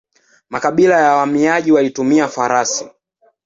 Makabila ya wahamiaji walitumia farasi.